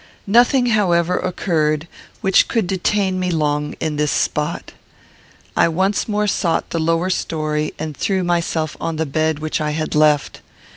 Nothing, however, occurred which could detain me long in this spot. I once more sought the lower story and threw myself on the bed which I had left.